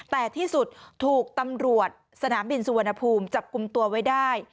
แต่ที่สุดถูกตำรวจสนามบินสุวรรณภูมิจับกลุ่มตัวไว้ได้